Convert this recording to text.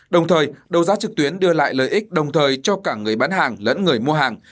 đồng thời đấu giá trực tuyến đưa lại lợi ích đồng thời cho cả người bán hàng lẫn người mua hàng